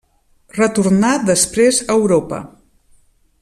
Retornà després a Europa.